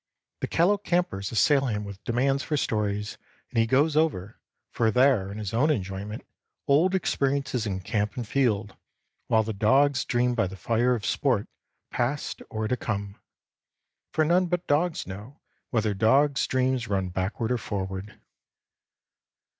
The callow campers assail him with demands for stories, and he goes over, for their and his own enjoyment, old experiences in camp and field, while the dogs dream by the fire of sport past or to come, for none but dogs know whether dog's dreams run backward or forward.